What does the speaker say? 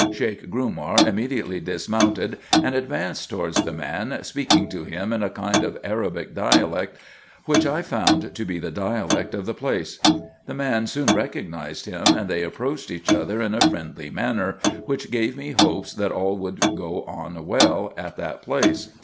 Sheik Grumar immediately dismounted, and advanced towards the man, speaking to him in a kind of Arabic dialect, which I found to be the dialect of the place. The man soon recognised him, and they approached each other in a friendly manner, wliich gave me hopes that all would go on well at that place.